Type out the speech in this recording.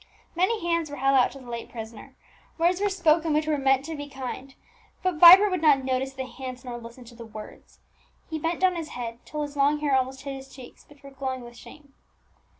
Many hands were held out to the late prisoner, words were spoken which were meant to be kind; but Vibert would not notice the hands, nor listen to the words. He bent down his head till his long hair almost hid his cheeks, which were glowing with shame.